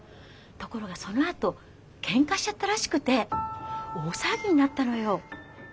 ところがそのあと喧嘩しちゃったらしくて大騒ぎになったのよ。